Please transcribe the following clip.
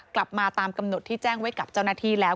กลับมาตามกำหนดที่แจ้งไว้กับเจ้าหน้าที่แล้ว